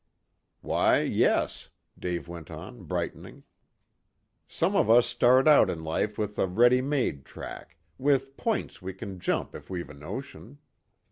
"Why, yes," Dave went on, brightening. "Some of us start out in life with a ready made track, with 'points' we can jump if we've a notion.